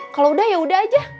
kalau udah yaudah aja